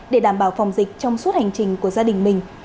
để đảm bảo phòng dịch trong suốt hành trình của gia đình mình